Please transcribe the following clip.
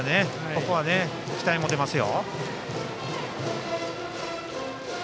ここは期待が持てますよ。